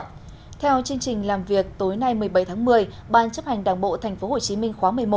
theo chương trình làm việc tối nay một mươi bảy tháng một mươi ban chấp hành đảng bộ tp hcm khóa một mươi một